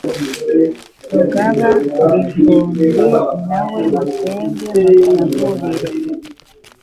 Rugaba-bihumbi, Na we musenge musagurire